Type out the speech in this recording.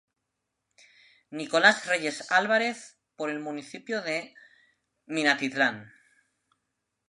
Nicolás Reyes Álvarez por el municipio de Minatitlán.